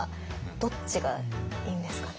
どっちがいいんですかね？